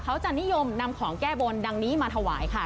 เขาจะนิยมนำของแก้บนดังนี้มาถวายค่ะ